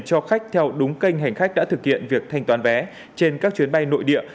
cho khách theo đúng kênh hành khách đã thực hiện việc thanh toán vé trên các chuyến bay nội địa